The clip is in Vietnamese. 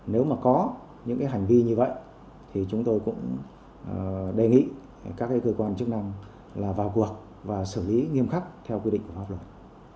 nếu mà có những hành vi như vậy thì chúng tôi cũng đề nghị các cơ quan chức năng là vào cuộc và xử lý nghiêm khắc theo quy định của pháp luật